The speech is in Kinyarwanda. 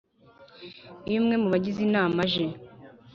Iyo umwe mu bagize Inama aje